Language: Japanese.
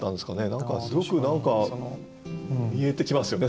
何かすごく何か見えてきますよね